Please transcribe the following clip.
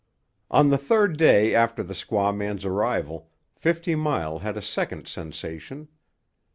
On the third day after the squaw man's arrival, Fifty Mile had a second sensation.